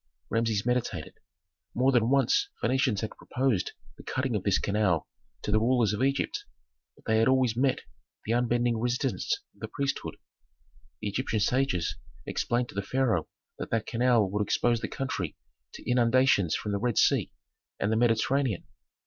Rameses meditated. More than once Phœnicians had proposed the cutting of this canal to the rulers of Egypt, but they had always met the unbending resistance of the priesthood. The Egyptian sages explained to the pharaoh that that canal would expose the country to inundations from the Red Sea and the Mediterranean.